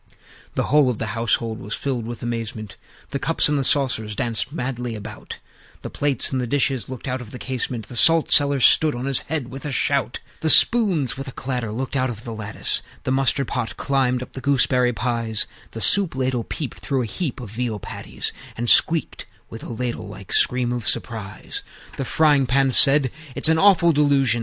IV. The whole of the household was filled with amazement: The Cups and the Saucers danced madly about; The Plates and the Dishes looked out of the casement; The Salt cellar stood on his head with a shout; The Spoons, with a clatter, looked out of the lattice; The Mustard pot climbed up the gooseberry pies; The Soup ladle peeped through a heap of veal patties, And squeaked with a ladle like scream of surprise. V. The Frying pan said, "It's an awful delusion!"